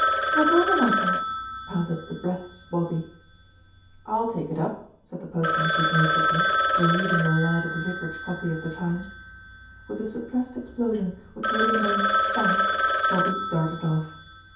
"Slep' over myself," panted the breathless Bobby. "I'll take it up," said the postman good naturedly, relieving the lad of the vicarage copy of The Times. With a suppressed explosion which really meant thanks, Bobby darted off.